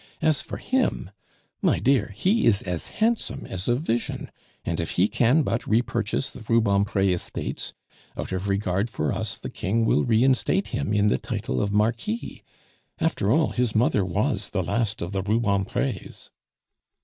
As for him my dear, he is as handsome as a vision; and if he can but repurchase the Rubempre estates, out of regard for us the King will reinstate him in the title of Marquis. After all, his mother was the last of the Rubempres."